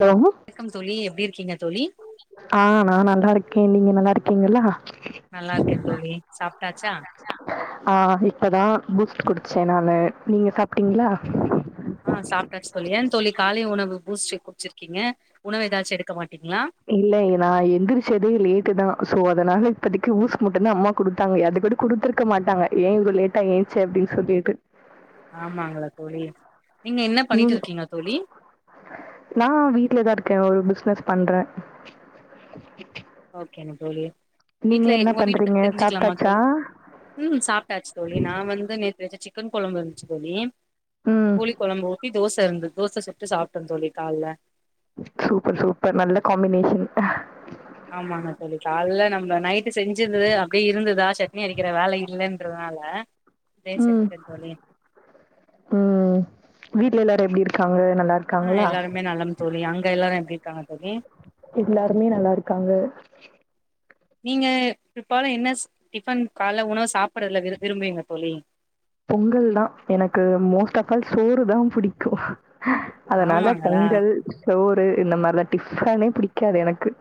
Hello வணக்கம் தோழி எப்டி இருக்கீங்க தோழி ஆ நா நல்லா இருக் கே நீங்க நல்லா இருக்கீங்களா நல்லா இருக்கே தோழி சாப்ட்டாச்சா ச்ச நானு, நீங்க சாப்பிட்டீங்ளா ஆ சாப்பிட்டாச்சு தோழி, ஏ தோழி கால உணவு பூஸ்டு குடிச்சிருக்கீங்க உணவு ஏதாச்சு எடுக்க மாட் இல்லை நா எந்திரிச்சதே லேட்டுதா சோ அதனால இப்பத்திக்கு பூஸ்ட் மட்டும்தா அம்மா குடுத்தாங்க அது கூட குடுத்துருக்க மாட்டாங்க ஏ இவ்ளோ லேட்டா ஏஞ்ச்ச அப்டின்னு சொல்லிட்டு ஆமாங்களா தோழி, நீங்க என்ன பண்ணிட்டு நீங்க இருக்கீங்க தோழி நா வீட்லதா இருக்கே ஒரு பிசினஸ் பண்ற ஓகேங்க தோழி வீட்ல என்ன உங்க வீட பத்தி பண்றீங்க? தெரிஞ்சுக்கலாம சாப்ட்டாச்சா? தோழி, ம், சாப்பிட்டாச்சு தோழி நா வந்து நேத்து வச்ச சிக் கன் கொழம்பு இருந்துச்சு தோழி ம். கோழி கொழம்ப ஊத்தி தோசை இருந்துது தோச சுட்டு சாப்ட்டே தோழி கால்ல சூப்பர் சூப்பர் நல்ல காமினேஷன் ஆமாங்க தோழி கால்லே நம்ம நைட்டு செஞ்சது அப்படியே இருந்ததா சட்னி அரைக்கிற வேல இல்லன்றதுனால அப்டியே ம் செஞ்சுட்டே தோழி ம் வீட்ல எல்லாரு எப்டி இருக்காங்க நல்லா ஆ இருக்காங்களா? எல்லாருமே நலம் தோழி அங் அங்க எல்லாரும் எப்டிருக்காங்க தோழி எல்லாருமே நல்லா இருக்காங்க நீங்க பிற்பகல என்ன டிஃபன் கால உணவு சாப்படுறதுல விரும்புவீங்க தோழி பொங்கல்தா எனக்கு மோஸ்ட் ஆஃப் ஆல் சோறுதா புடிக்கும் அதனால ஆமாங்களா பொங்கல் சோறு இந்த மாரிலா டிஃபனே பிடிக்காது எனக்கு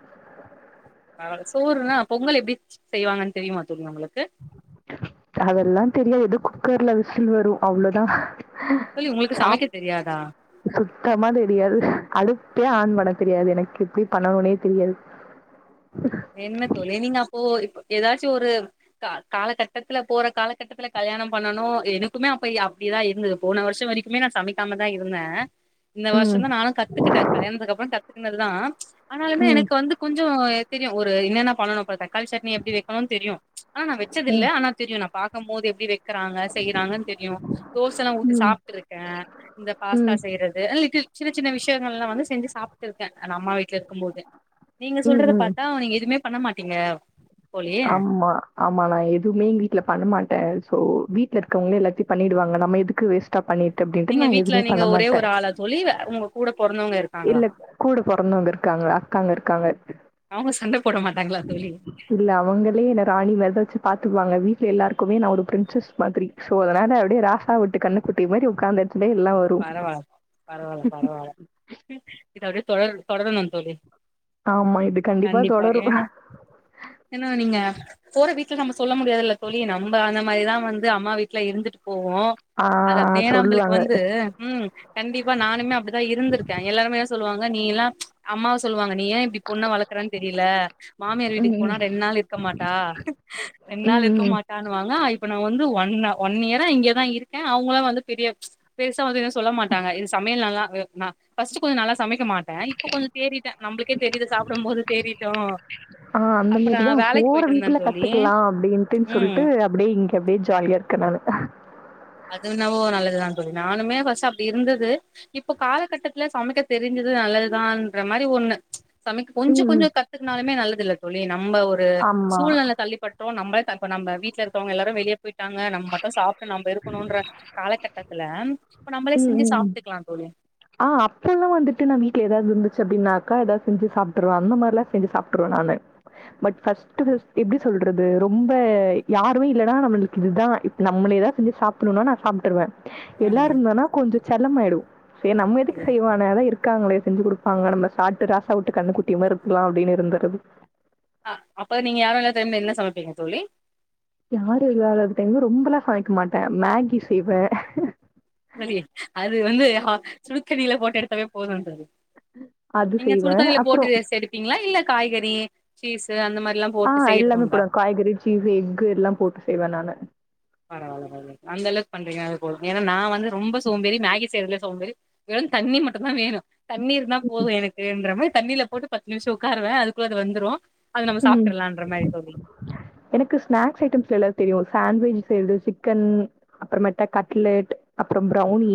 ஆ சோறுன்னா பொங்கல் எப்படி செய்வாங்கன்னு தெரியுமா தோழி நம்மளுக்கு அதெல்லா தெரிய எதுக்கு குக்கர்ல விசில் வரு அவ்ளோதா ஹ தோழி உங்களுக்கு சா சமைக்க தெரியாதா சுத்தமா தெரியாது அடுப்பே ஆன் பண்ண தெரியாது எனக்கு எப்டி பண்ணணுனே தெரியாது என்ன தோழி நீங்க அப்போ இப்ப ஏதாச்சு ஒரு கா காலகட்டத்துல போற காலகட்டத்துல கல்யாணம் பண்ணனு எனக்குமே அப்ப அப்டிதா இருந்தது போன வருஷோ வரைக்குமே நா சமைக்காம தான் இருந்தே இந்த வருஷோ ம். தா நானு கத்துக்கிட்டே கல்யாண்துக்கு அப்றோ க சிக்னல்தா ஆனாலுமே ம். எனக்கு வந்து கொஞ்சோ தெரியு ஒரு என்னன்ன பண்ணணோ [unintelligible] தக்காளி சட்னி எப்டி வக்குணுனு தெரியு ச் ஆனா நா வச்சதில்ல ம். ஆனா தெரியு நா பா க்குமோது எப்டி வெக் வெக்கறாங்க செய்யறாங்கனு தெரியு தோசலா ஊத்தி ம். சாப்ட்ருக்கே இந்த பாஸ்தா ம். செய்றது ஆனா லிட்டில் சின்ன சின்ன விஷயங்கலெல்லா வந்து செஞ்சு சாப்பிட்ருக்கே நா அம்மா வீட்ல இருக்கு போது நீங்க ம். சொல்றது பாத் நீங்க எதுமே பண்ண மாட்டீங்க தோழி ஆம்மா ஆமா நா எதுமே எ வீட்ல பண்ணமாட்டே சோ வீட்ல இருக்கவங்களே எல்லாத்தையு பண்ணிடுவாங்க நம்ம எதுக்கு வேஸ்டா பண்ணி நீங்க வீட்ல நீங்க ஒரே ஒரு ஆளா தோழி அ உங்க கூட பொறந்தவங்க இருக் இல்ல கூட பொறந்தவங்க இருக்காங்க அக்கா இருக்காங்க அவங்க சண்ட போட மாட்டாங்களா தோழி இல்ல அவுங்களே என்ன ராணி மாதிரி தா வச்சு பாத்துக்குவாங்க வீட் எல்லாருக்குமே நா ஒரு பிரின்சஸ் மாதரி சோ அதனால அப்டியே ராசா வீட்டு கண்ணு குட்டி மாரி ஒக்காந்து பரவால பரவால பரவால இது அப்டியே தொடர் தொடருனு தோழி ஆமா இது கண்டிப்பா தொடரும். ஏன்னா ஏன்னா நீங்க போற வீட் து நம்ம சொல்ல முடியாதுல தோழி நம்ப அந்த மாரி தா வந்து அம்மா வீ்ட்ல இருந்துட் ஆஹ்ஹ் சொல்லுவாங்க உம் கண்டிப்பா நானுமே அப்டிதா இருந்துருக்கே எல்லாருமே சொல்வாங்க நீ எல்லா ச் அம்மாவ சொல்வாங்க நீ ஏ இப்டி பொண்ண வளக்ரேன் தெரில மாமியார் வீட்டுக்கு ம் போனா ரெண்ட் நாள் இருக்க மாட்டா ரெண்ட் நாள் இருக்க ம். மாட்டானுவாங்க அ இப்ப நா வந்து ஒ ஒன்னா ஒன் இயரா இங்கதா இருக்கே அவுங்களா வந்து பெரிய ச் பெருசா வந்து எது சொல்ல மாட்டாங்க இது சமையல் நல்லா இ நா ஃபர்ஸ்ட் கொஞ்சோ நல்லா ச சமைக்க மாட்டே இப்ப கொஞ்சோ தேறிட்டே நம்முளுக்கே தெரிது சாப்டுபோது தேறிட்டோ ஆ அந்த அப்ப நா மாரிதான் வேலைக்கு போற போயிட்ருந்தே வீட்ல தோழி கத்துக்கலாம் அப்படின்ட்டுன்னு உம் சொல்லிட்டு அப்படியே இங்க அப்படியே ஜாலியா இருக்கேன் நானு. அது என்னவோ நல்லதுதா தோழி நானுமே ஃபர்ஸ்ட் அப்டி இருந்தது இப்ப காலகட்டத்துல சமைக்க தெரிஞ்சது நல்லதுதான்ன்ற மாரி ஒண்ணு ச் சமைக்க கொஞ்சோ ம். கொஞ்சசோ கத்துக்னாலுமே நல்லதில்ல தோழி நம்ப ஒரு ஆமா. சூழ்நில தள்ளிப்ப நம்மளே நம்ம வீட்ல இருக்கவங்க எல்லாரும் வெளிய போயிட்டாங்க நம்ம மட்டும் சாப்ட்டு நம்ம ன்ற காலகட்டத் ல உம் உம் ஆ அப்பெல்லாம் வந்துட்டு நா வீட்ல ஏதாவது இருந்துச்சு அப்படின்னாக் கா எதாது செஞ்சு சாப்ட்ருவா அந்த மார்லா செஞ்சு சாப்ட்ருவே நானு பட் ஃபர்ஸ்ட்டுது எப்டி சொல்றது ரொம்ப யாருமே இல்லனா நம்மளுக்கு இதுதா இப் நம்மளே தா செஞ்சு சாப்புணுன்னா நா சாப்ட்டுருவே எல்லார் ம் கொஞ்ச செல்லமாயிடு சேர் நம்ம எதுக்கு செய்வான அதா இருக் காங்களே செஞ்சு குடுப்பாங்க நம்ம சாட்டு ராசா ஊட்டு கண்ணுக்குட்டி மாரி இருக்லா அப்டின்னு இருந்தரது ஆ அப்ப நீங்க யாரோ இல்லாத டைம்ல நீங்க என்ன சமப்பீங்க தோழி யாரு இல்லாத டைம்ல ரொம்பெல்லா சமைக்க மாட்டே மேகி செய்வே மதி அது வந்து சுடுதண்ணில போட்டு எடுத்தவே போதுன்ற அது நீங்க செய்வே சுடுதண்ணில அப்புறோ போட்டு எஸ் எடுப்பீங்ளா இல்ல காய்கறி சீசே அந்த மாரி ஆ எல்லாமே போடுவே காய்கறி சீஸ்சு எக்கு எல்லா போட்டு செய்வே நானு பரவால பரவால அந்தளக் பண்றீங்க அது போது ஏன்னா நா வந்து ரொம்ப சோம்பேறி மேகி செய்றதுல சோம்பேறி வெறும் தண்ணி மட்டோந்தா வேணு தண்ணி இருந்தா போதோ எனக்குன்ற மா தண்ணில போட்டு பத்து நிமிஷம் உக்காருவே அதுக்குள்ள அது வெந்துரோ உம் எனக்கு ஸ்நாக்ஸ் ஐட்டம்ஸ் எல்லா தெரியு சேன் வெஜ் செய்றது சிக்கன் அப்பறமேட்ட கட்லெட் அப்புறோ ப்ரௌனி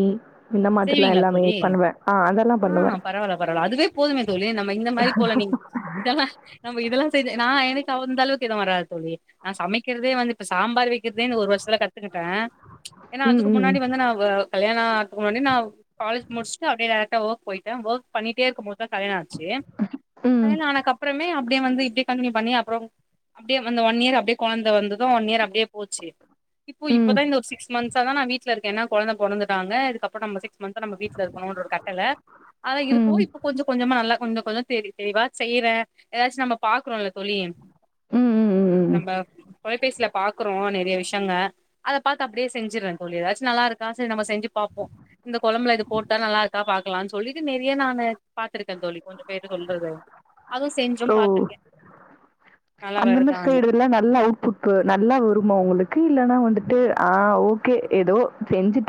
இந்த மாதிரிலாம் செய்வீங்ளா எல்லாமே தோழி பண்ணுவேன். ஆ அதெல்லாம் ஆ பண்ணுவேன். பரவால பரவால அதுவே போதுமே தோழி நம் ம இந்த மாரி போல நீ நம்ப இதெல்லா செஞ்ச நா எனக் தாவுந் இந்த அளவுக்கு எதுவு வராது தோழி நா சமைக்கிறதே வந்து இப்ப சாம்பார் வை ர்டேன்னு ஒரு வருஷத்துல கத்துக்கிட்டே ச்ச ஏன்னா ம், அதுக்கு ம். முன்னாடி வந்து நா வ கல்யாணோ ஒடனே நா காலேஜ் முடிச்சுட்டு அப்டே டேரக் ட வோர்க் போயிட்டே வோர்க் பண்ணிட்டே இருக்கும் போது தா கல்யாண ஆச்சு ம், கல்யாண ஆனக் அப்பறமே அ அப்டே வந்து இப்டே கண்டினியூ பண்ணி அப்பறோ அப்டே அந்த ஒன் இயர் அப்டே கொழந்த வந்ததோ ஒன் இயர் அப்டே போச்சு இப்போ ம், இப்பதா இந்த ஒரு சிக்ஸ் மன்த்ஸ்சாதா நா வீட்ல இருக்கே ஏன்னா கொழந்த பொறந்துட்டாங்க இதுக்கப் போட்டம் பசி மன்த்தா நம்ம வீட்ல இருக்கனோன்ற [unintelligible] அதா இருக்கோ ம், இப்ப கொஞ்ச கொஞ்சமா நல்லா கொஞ்ச கொஞ்சோ தேரிட்டு நீவாட் செய்ற ஏதாச்சு நம்ப பாக்குறோல சொல்லியன் ம், ம், ம், ம். நம்ப தொலைபேசில பாக்குறோ நெறைய விஷயங்க அத பாத்த அப்டியே செஞ்சிறாங்க தோழி ஏதாச்சு நல்ல இருக்கா செரி நம்ம செஞ் பாப்போ இந்த கொழம்புல இது போட்டா நல்லா இருக்கா பாக்கலானு சொல்லிட்டு நிறைய நான் பாத்திருக்கேன் தோழி கொஞ்சம் பேர் சொல்றது அதுவும் செஞ்சும் ஓ! பாத்திருக்கேன் அந்த மாரி சைடு எல்லாம் நல்லா அவுட்புட் நல்லா வருமா உங்களுக்கு கு இல்லன்னா வந்துட்டு ஆஹ் ஓகே ஏதோ செஞ்சுட்டு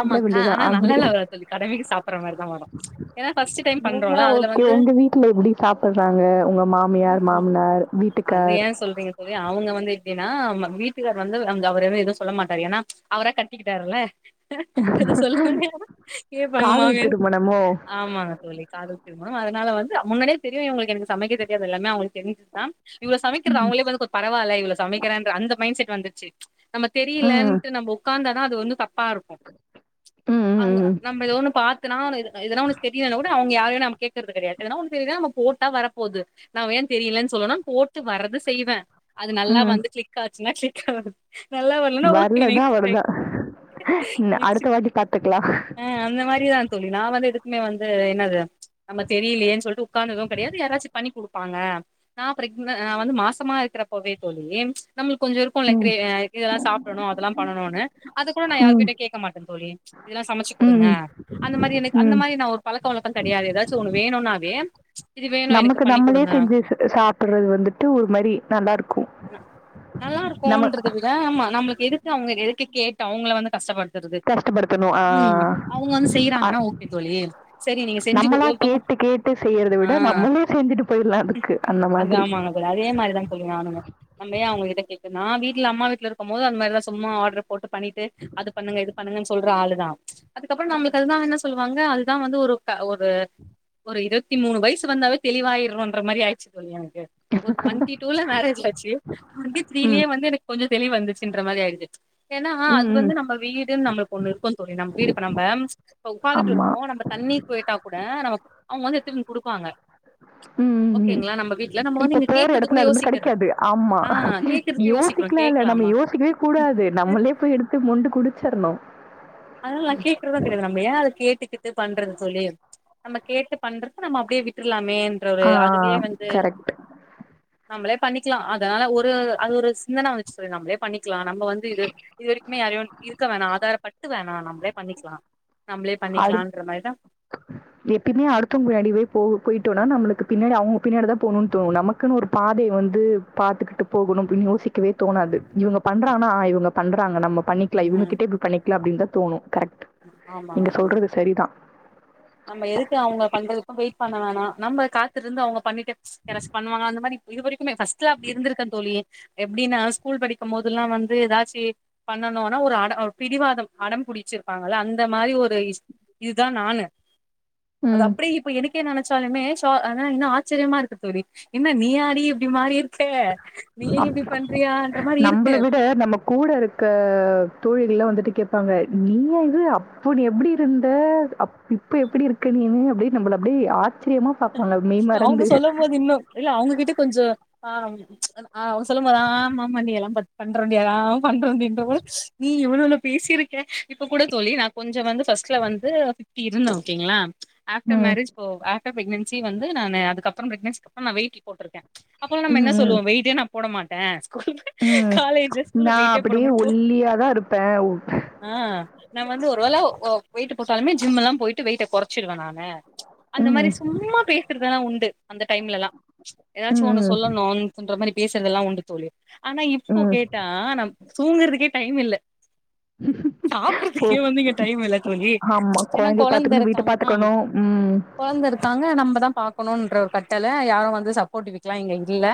ஆமா அக்கா ஆனா நல்லா இல்ல சொல்லி கடமைக்கு சாப்பிடற மாரிதான் நீங்க ஓகே வந்து உங்க வீட்டுல எப்டி சாப்பிடுறாங்க உங்க மாமியார் மாமனார் அது வீட்டுக்கார்? ஏன் சொல்றீங்க சொல்லி அவுங்க வந்து அப்டின்னா வீட்டுக்கார் வந்து அவர்ந்து எதுவும் சொல்ல மாட்டாரு ஏன்னா அவரா கட்டிக்கிட்டாருல்ல காதல் [unintelligible] திருமணமோ? ஆமாங்க தோழி காதல் திருமணம் அதனால வந்து முன்னாடியே தெரியும் இவங்களுக்கு எனக்கு சமைக்க தெரியாது தெரியாதுன்னு [unintelligible] இவ்வளவு சமைக்கிறது ம். அவங்களே பாத்துட்டு கொஞ்சம் பரவால்லன்னு இவ்வளவு சமைக்கிறேன்னு அந்த மைண்ட் செட் வந்துச்சு நம்ம ம். தெரியலன்டு நம்ம உட்காந்த ஆ அது வந்து தப்பா இருக்கும் ம் அவுங்க ம் ம் நம்ம ஏதோ ஒண்ணு பார்த்தன்னா எதனா ஒண்ணு தெரியும்னா கூட அவுங்க [unintelligible] யாரையும் நம்ம கேட்கிறது கிடையாது [unintelligible] நம் போட்ட வர போகுது நம்ப ஏன் தெரிய தெரியலைன்னு சொல்லணும் போட்டு வரறது செய்வேன் அது நல்லா வந்து கிளிக் ஆச்சுன்னா [unintelligible] வரலன்னா ஓகே வர்லன்னா நெக்ஸ்ட் ட்ரை அவ்ளோதா இல்ல அடுத்த வாட்டி பாத்துக்கலாம் ஆஹ் அந்த மாரிதான் தோழி நான் வந்து எதுக்குமே வந்து என்னது நம்ம தெரியலையேன்னு சொல்லிட்டு உட்கார்ந்ததும் கிடையாது யாராச்சும் பண்ணி குடுப்பாங்க நான் ப்ரகனட் வந்து மாசமா இருக்கிறப்பவே தோழி ப்ச் நம்மளுக்கு கொஞ்ச இருக்குல்ல ம் கிரே இதெல்லாம் சாப்பிடணும் அதெல்லாம் பண்ணணுனு அது கூட ம் யாருகிட்டயும் கேக்க மாட்டேன் தோழி சமைச்சுக் கொடுங்க ம் அந்த மாரி எனக்கு அந்த ம் மாரினா ஒரு பழக்க வழக்கம் கிடையாது ஏதாச்சும் ஒன்னு வேணுனாவே ஏம் ச் இது வேணும் எனக்கு நமக்கு பண்ணி நம்மளே கொடுங்க செஞ்சு ச சாப்பிடுறது வந்துட்டு ஒரு மாரி நல்லா இருக்கும் நல்லா நம்ம இருக்குன்றத விட ஆமா நம்மளுக்கு எதுக்கு அவங்க எதுக்கு கேக் அவங்கள வந்து கஷ்டப்பட கஷ்டப்படுத்தணும் உம் அவுங்க வந்து செய்யறாங்கன்னா ஓகே தோழி சரி நீங்க நம்மளா செஞ்சுகுடு கேட்டு கேட்டு செய்யறத விட நம்மளே செஞ்சுட்டு போயிடலா அதுக்கு அந்த மாதிரி [unintelligible] அதே மாதிரிதான் சொல்லங்க ஆணங்க நம்ம அவங்ககிட்ட [unintelligible] நான் வீட்டுல அம்மா வீட்டுல இருக்கும் போது அந்த மாரிதான் சும்மா ஆட்ரு போட்டு பண்ணிட்டு அது பண்ணுங்க இது பண்ணுங்கனு சொல்லிட்டு அழுதான் அதுக்கப்புறம் நம்மளுக்கு அதுதான் என்ன சொல்லும் ங்க அதுதான் வந்து ஒரு ஒரு இருபத்தி மூணு வயசு வந்தாவே தெளிவாயிரும்ன்ற மாதிரி ஆயிச்சு தல்லாங்க ஒரு டுவெண்டி டூல மேரேஜ் ஆச்சு டுவெண்டி ம் த்ரீலயே வந்து எனக்கு கொஞ்ச தெளிவு வந்துச்சன்ற மாதிரி ஆயிச்சு ஏன்னா ம் அது ம் வந்து நம்ம வீடுன்னு நம்ம ஒ இருக்கும் நம்ம வீடு நம்ம உக்காந்து ஆமா இருப்போம் நம்ம தண்ணிக்கு போயிட்டா கூட நம்ம அவங்க வந்து எடுத்து கொடுப்பாங்க உம் வந்து இப்ப இங்க போற கேக்குறது கூட இடத்துல அதுமாதிரி யோசிக்கிறது கிடைக்காது ஆமா ஆ கேக்குறதுக்கு யோசிக்கிறோ யோசிக்கலாம் இல்ல நம்ம கேக்கலாமா யோசிக்கவே கூடாது நம்மளே போய் எடுத்து மண்டு குடுத்து சர்ணோ அதனால நான் கேக்குறதெல்லாம் கிடையாது நம்ம ஏன் அதை கேட்டு பண்றது சொல்லி நம்ம கேட்டு பண்றது நம்ம அப்படியே விட்டுலாம் ன்ற ஒரு ஆ அதுலயே வந்து கரெக்ட் நம்மளே பண்ணிக்கலாம் அதனால ஒரு அது ஒரு சிந்தன வந்துச்சு சொ நம்மளே பண்ணிக்க இருக்லாம் நம்ம வந்து இது இது வரைக்குமே யார இருக்க வேணா ஆதாரப்படுத்த நா நம்மளே பண்ணிக்கலாம் அ எப்பயுமே அடுத்த முன்னாடி போய் போ போயிட்டு வ நம்மளுக்கு பின்னாடி அவங்க பின்னாடி தான் போணும்ணும் நமக்க ஒரு பாதையை வந்து பார்த்துகிட்டு போகணும்னு யோசிக்கவே தோணாது இவங்க பண்றானா இவங்க பண்றாங்க நம்ம பண்ணிக்கல இவங்ககிட்ட இப்ப பன்னிக்கலாம் அப்படிங்க தோனும் கரெக்ட் உம் நீங்க சொல்றது சரிதான் நம்ம எதுக்கு அவங்க பண்றதுக்கும் வெயிட் பண்ண வேணாம் நம்ம காத்திருந்து அவங்க பண்ணிட்டு யாராச்சு பண்ணுவாங்க அந்த மாதிரி இதுவரைக்கும் ஃபர்ஸ்ட்ல அப்படி இருந்துருகேன் தோழி எப்படின்னா ஸ்கூல் படிக்கும் போதெல்லாம் வந்து ஏதாச்சும் பண்ணனும்னா ஒரு அடம் பிடிவாதம் அடம்பிடிச்சிருப்பாங்கல்ல அந்த மாதிரி ஒரு இ இதுதான் நானு அது ம் அப்படியே இப்ப எனக்க என் இன்னும் ஆச்சரியமா இருக்கு தோழி என்ன நீயாடி இப்படி மாரி இருக்கு மாரி இருக்கு நம்பள விட நம்ம கூட இருக்க தோழிகள்லா வந்துட்டு கேப்பாங்க நீயா இது அப்போ நீ எப்டி இருந்த இப்ப எப்டி இருக்க நீனு அப்டி நம்பள அப்டீ ஆ அவங்க சொல்லும் போது இன்னு இல்ல அவங்க கிட் கொஞ்சொ ஆஹ் ஆஹ் அவ்ங்க சொல்லும் போது ஆமாம நீ எல்லா பண்றோன்டி ஆ பண்றதின்னவ நீ எவ்ளோலா பேசிருக்க இப்ப கூட தோளி நான் கொஞ்சொ வந்து ஃபஸ்ட்ல வந்து ஃபிஃப்டி இருந்த ஓகேங்ளா ஆஃப்டர் ம். மேரேஜ் ப்போ ஆப் ஆஃப்டர் ப்ரெக்னன்சி வந்து நானு அதுக்கப்றோ பிரெக்னன்சிக் அப்றோ நான் வெய்ட்டு போட்ருக்க அப்போல நம்ம ம், என்ன ம், சொல்லுவோம் வையிட்டே நா போட மாட்ட ம் நா போட அப்படியே மாட்டே போ ஒல்லியாதா இருப்ப ஆ நா வந்து ஒரு வேள வெய்ட்டு போட்டாலுமே ஜிம் எல்லா போயிட்டு வெயிட்ட கொறச்சிருவே நானு அந்த மாரி ம் சும்மா பேசுறதெல்லா உண்டு அந்த டைம்ல லா ஏதாச்சு ம், ஒண்ணு ம், சொல்லணோ என்ற மாரி பேசறதெல்லா உண்டு தோழி ஆனா இப்போ ம். கேட்டா நம் தூங்கறதுகே டைம் இல்ல ஓ! சாப்பறதுக்கே வந்து இங்க டைம் இல்ல தோழி ஆமா. ஏன்னா குழந்தைய கொலந்த பார்த்துக்கணும், வீட்ட ருக்காங்கலா பார்த்துக்கணும். ம். கொழ்ந்த இருக் நம்ப தா பாக்கணுன்ற ஒரு கட்டள யாரு வந்து சப்போட்விக்லா இங்க இல்ல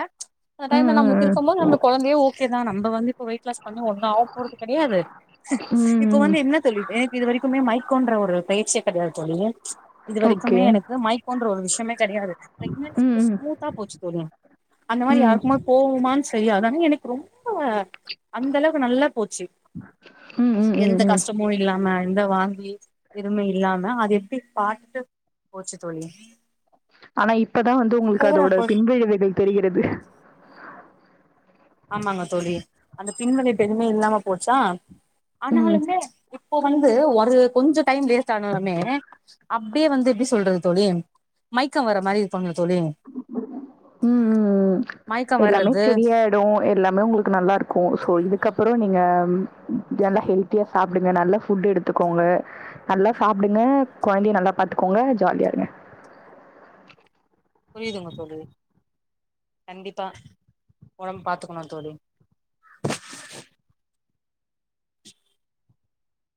அந்த ம், டைம்ல ம், நம்ளுக்கு ம். இருக்கும் போது நம்ளுக் கொழந்தையே ஓகே தான் நம்ப வந்து இப்ப வெயிட் லாஸ் பண்ணி ஒண்ணோ ஆக போறது கெடையாது ம், இப்ப ம். வந்து என்ன தோழி இது இது வரைக்குமே மைக்கோன்ற ஒரு பேச்சே கெடையாது தோழி இது வரைக்குமே ஓகே. எனக் மைக்கோன்ற ஒரு விஷ்யமே கெடையாது ப்ரெக்னன்சி ம், கூட ம். ஸ்மூத்தா போச்சு தோழி அந்த மாரி ம். யாருக்குமா போவுமானு சரி அதான எனக் ரொம் அ அந்த அளவுக்கு நல்லா போச்சு ம், ம், ம், எந்த ம். கஷ்டமு இல்லாம இந்த வாந்தி எதுவ்மே இல்லாம அது எப்டி பாட்டு போச்சு தோழி ஆனா இப்பதா வந்து உங்குள்க்கு அதோட போறப்போ பின்விழைவுகள் தெரிகிறது ஆமாங்க தோழி அந்த பின்விளைவ் எதுமே இல்லாம போச்சா ம் ம் ஆனாலுமே இப் ப்போ வந்து ஒரு கொஞ்சொ டைம் வேஸ்ட் ஆனாலுமே அப்டியே வந்து எப்டி சொல்றது தோழி மைக்கோ வர மாரி பண்ணு ம் ம் ம் மயக்கம் எல்லாமே வர்றது சரியாயிடோ எல்லாமே உங்குளுக்கு நல்லா ருக்கு சோ இதுக்கப்புறோ நீங்க நல்லா ஹெல்த்தியா சாப்டுங்க நல்லா ஃபுட் எடுத்துக்கோங்க நல்லா சாப்டுங்க கொழ்ந்தைய நல்லா பாத்துக்கோங்க ஜாலியா இருங்க புரியுதுங்க தோழி கண்டிப்பா ஒடம்பு பாத்துக்கணு தோழி